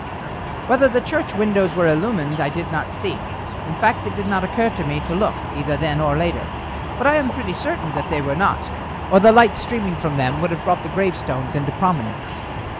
Whether the church windows were illumined I did not see in fact, it did not occur to me to look, either then or later but I am pretty certain that they were not, or the light streaming from them would have brought the gravestones into prominence.